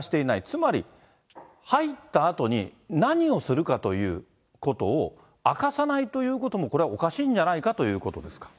つまり、入ったあとに、何をするかということを明かさないということも、これはおかしいんじゃないかということですか。